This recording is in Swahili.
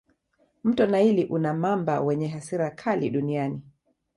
Mto naili una mamba wenye hasira kali duniani